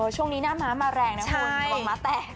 ช่วงนี้หน้าม้ามาแรงนะคุณฝนม้าแตก